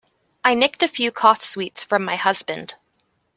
I nicked a few cough sweets from my husband.